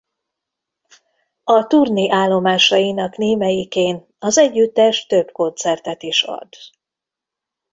A turné állomásainak némelyikén az együttes több koncertet is ad.